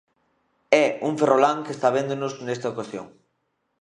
É un ferrolán que está véndonos nesta ocasión.